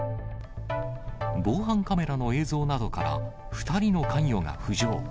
防犯カメラの映像などから２人の関与が浮上。